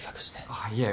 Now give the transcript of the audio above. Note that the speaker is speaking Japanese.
あっいえ。